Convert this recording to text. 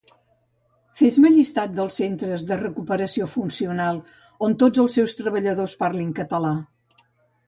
Fes-me llistat dels Centres de Recuperació Funcional on tots els seus treballadors parlin català